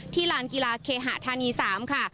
ลานกีฬาเคหะธานี๓ค่ะ